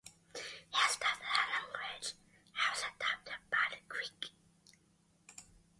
He studied the language and was adopted by the Creek.